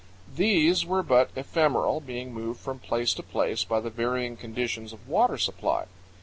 These were but ephemeral, being moved from place to place by the varying conditions of water supply.